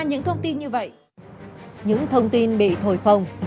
những thông tin bị thổi phòng